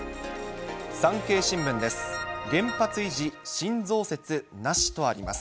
産経新聞です。